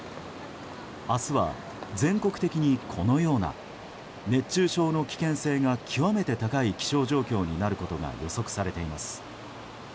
明日は全国的に、このような熱中症の危険性が極めて高い気象状況になることが予測されています。